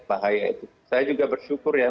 bahaya itu saya juga bersyukur ya